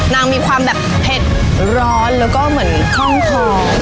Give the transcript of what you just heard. นางมีความแบบเผ็ดร้อนแล้วก็เหมือนข้องทอง